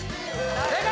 正解！